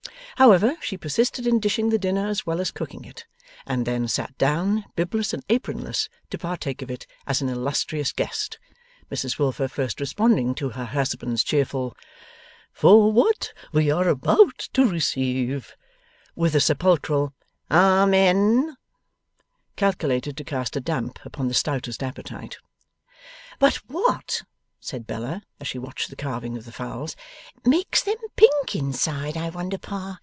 However, she persisted in dishing the dinner as well as cooking it, and then sat down, bibless and apronless, to partake of it as an illustrious guest: Mrs Wilfer first responding to her husband's cheerful 'For what we are about to receive ' with a sepulchral Amen, calculated to cast a damp upon the stoutest appetite. 'But what,' said Bella, as she watched the carving of the fowls, 'makes them pink inside, I wonder, Pa!